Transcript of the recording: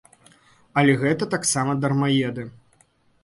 Але гэта таксама дармаеды.